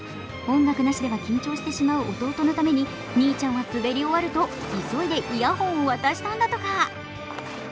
音楽なしでは緊張してしまう弟のために兄ちゃんは滑り終わると急いでイヤホンを渡したんだとか。